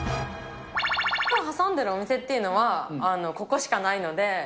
×××を挟んでるお店っていうのは、ここしかないので。